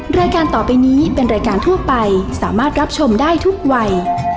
รายการต่อไปนี้เป็นรายการทั่วไปสามารถรับชมได้ทุกวัย